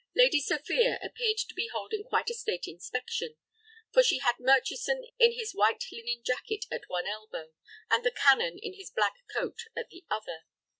Lady Sophia appeared to be holding quite a state inspection, for she had Murchison in his white linen jacket at one elbow, and the Canon in his black coat at the other.